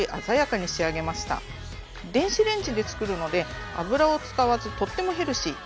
電子レンジで作るので油を使わずとってもヘルシー。